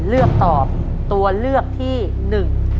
เลือกตอบตัวเลือกที่หนึ่ง